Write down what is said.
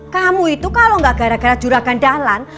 kamu itu kalau nggak gara gara jurah gendalan